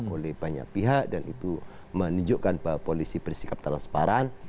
oleh banyak pihak dan itu menunjukkan bahwa polisi bersikap transparan